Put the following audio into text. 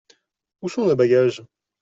Où sont nos bagages ?…